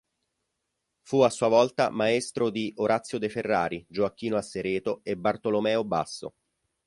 Fu a sua volta maestro di Orazio De Ferrari, Gioacchino Assereto e Bartolomeo Basso.